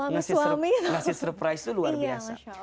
ngasih surprise itu luar biasa